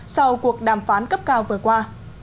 sau cuộc đàm phán cấp cao vừa qua